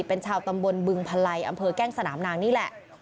เป็นชาวตำบลบึงพลัยอำเภอแก้งสนามนางนี่แหละ